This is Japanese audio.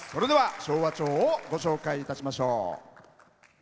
昭和町をご紹介いたしましょう。